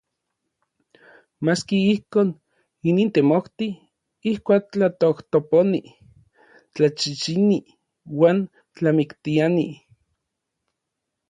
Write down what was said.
Maski ijkon, inin temojti. Ijkuak tlatojtoponi, tlaxixini uan tlamiktiani.